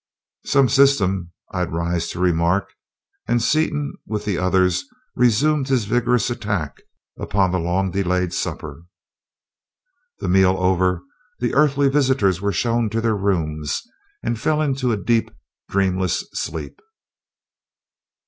"Some system, I'd rise to remark," and Seaton, with the others, resumed his vigorous attack upon the long delayed supper. The meal over, the Earthly visitors were shown to their rooms, and fell into a deep, dreamless sleep.